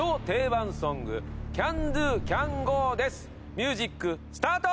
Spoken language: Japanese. ミュージックスタート！